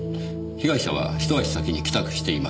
被害者はひと足先に帰宅しています。